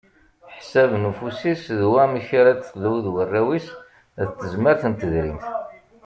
Ḥsab n ustifi-s d wamek ara d-telhu d warraw-is d tezmart n tedrimt.